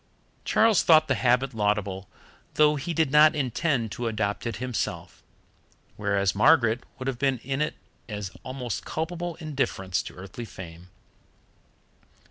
Charles thought the habit laudable, though he did not intend to adopt it himself, whereas Margaret would have seen in it an almost culpable indifference to earthly fame.